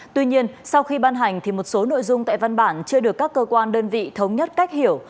tuy nhiên sau khi ban hành thì một số nội dung tại văn bản chưa được các cơ quan đơn vị thống nhất cách hiểu